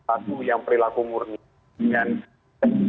aku yang perilaku murni dengan